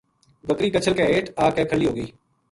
بکری کچھل کے ہیٹھ آ کے کھلی ہو گئی